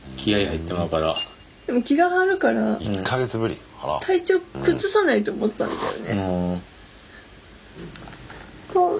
気が張るから体調崩さないと思ったんだよね。